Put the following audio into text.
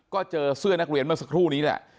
ก็เจอเสื้อนักเรียนเมื่อสักครู่นี้แหละ